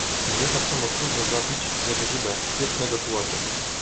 "Mnie tak samo trudno zabić, jak Żyda wiecznego tułacza."